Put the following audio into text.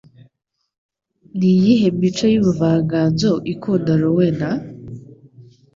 Niyihe mico y'Ubuvanganzo ikunda Rowena?